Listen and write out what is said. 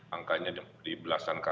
angkanya di belasan belasan ini kan